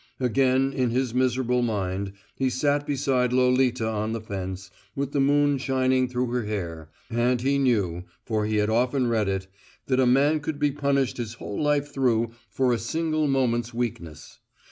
Again, in his miserable mind, he sat beside Lolita on the fence, with the moon shining through her hair; and he knew for he had often read it that a man could be punished his whole life through for a single moment's weakness.